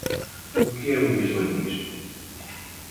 O que é o islamismo?